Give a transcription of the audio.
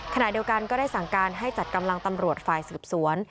ขณะเดียวกันก็ได้สั่งการให้จัดกำลังตำรวจฝ่ายสืบสวน